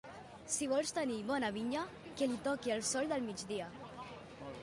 Si vols tenir bona vinya, que li toqui el sol del migdia.